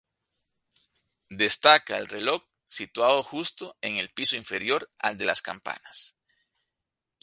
Destaca el reloj situado justo en el piso inferior al de las campanas.